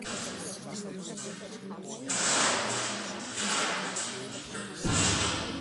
ქალაქის სიახლოვეს მდებარეობს რამდენიმე მნიშვნელოვანი ეროვნული პარკი.